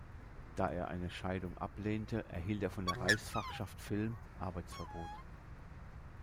Da er eine Scheidung ablehnte, erhielt er von der Reichsfachschaft Film Arbeitsverbot.